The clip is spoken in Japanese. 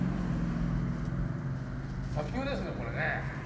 砂丘ですねこれね。